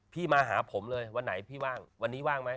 พี่มาหาผมเลยวันไหนพี่ว่าง